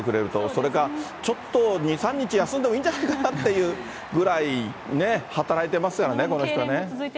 それか、ちょっと２、３日休んでもいいんじゃないかなってぐらいね、働いてますからね、この人ね。